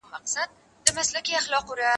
وزيرانو ته پرې ايښى بې دربار وو